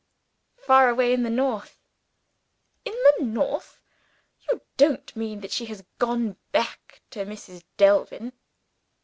"Far away in the North." "In the North! You don't mean that she has gone back to Mrs. Delvin?"